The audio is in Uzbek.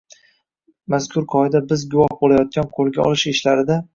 Mazkur qoida biz guvoh bo‘layotgan qo‘lga olish ishlarida